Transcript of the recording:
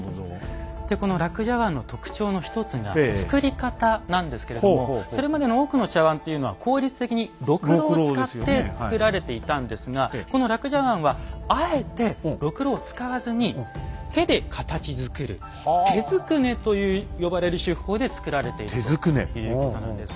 でこの樂茶碗の特徴の一つが作り方なんですけれどもそれまでの多くの茶碗というのは効率的にろくろを使って作られていたんですがこの樂茶碗はあえてろくろを使わずに手で形づくる「手捏ね」と呼ばれる手法で作られているということなんです。